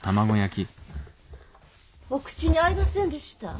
お口に合いませんでした？